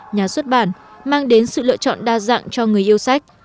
nhà xuất bản mang đến sự lựa chọn đa dạng cho người yêu sách